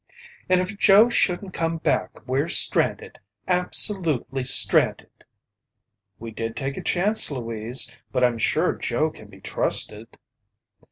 "And if Joe shouldn't come back, we're stranded absolutely stranded." "We did take a chance, Louise, but I'm sure Joe can be trusted."